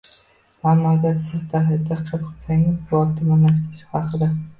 Ammo agar siz diqqat qilsangiz, bu optimallashtirish haqida